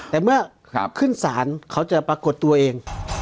แต่เมื่อขึ้นศาลเขาจะปรากฏตัวเอง